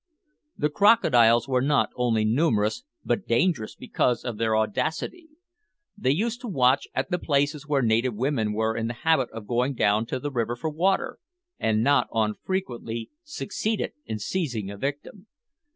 The crocodiles were not only numerous but dangerous because of their audacity. They used to watch at the places where native women were in the habit of going down to the river for water, and not unfrequently succeeded in seizing a victim.